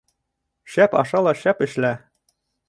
Шәп аша ла, шәп эшлә.